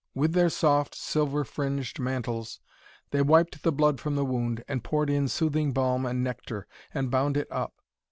With their soft, silver fringed mantles they wiped the blood from the wound, and poured in soothing balm and nectar, and bound it up.